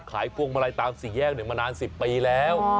พวงมาลัยตามสี่แยกมานาน๑๐ปีแล้ว